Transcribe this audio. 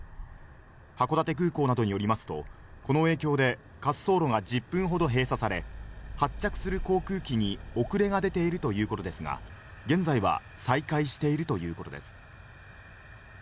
函館空港などによりますと、この影響で滑走路が１０分ほど閉鎖され、発着する航空機に遅れが出ているということですが、現在は再開しているということです。